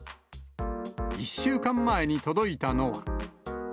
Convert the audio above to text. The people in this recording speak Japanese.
１週間前に届いたのは。